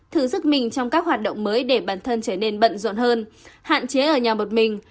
thử sức mình trong các hoạt động mới để bản thân trở nên bận rộn hơn hạn chế ở nhà một mình